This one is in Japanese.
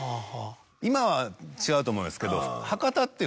今は違うと思いますけど。